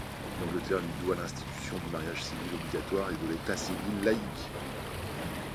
L'Angleterre lui doit l'institution du mariage civil obligatoire et de l'état civil laïc.